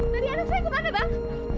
dari anak saya kemana bang